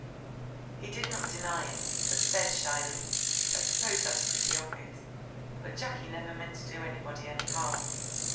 He did not deny it, but said shyly: "I suppose that's pretty obvious; but Jacky never meant to do anybody any harm.